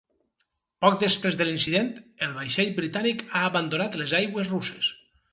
Poc després de l’incident, el vaixell britànic ha abandonat les aigües russes.